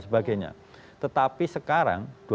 sebagainya tetapi sekarang